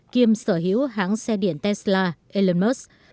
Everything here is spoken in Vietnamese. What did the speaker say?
kiêm sở hữu hãng xe điển tesla elon musk